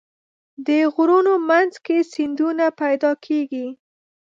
د غرونو منځ کې سیندونه پیدا کېږي.